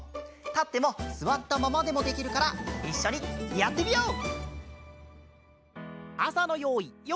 たってもすわったままでもできるからいっしょにやってみよう！